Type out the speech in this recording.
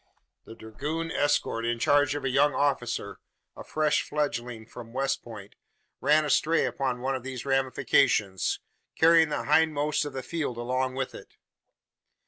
The dragoon escort, in charge of a young officer a fresh fledgling from West Point ran astray upon one of these ramifications, carrying the hindmost of the field along with it.